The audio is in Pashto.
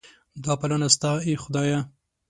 دا پالنه ستا ده ای خدایه.